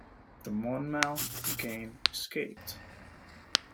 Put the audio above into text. The "Monmouth" again escaped.